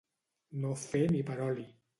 No fer ni per oli.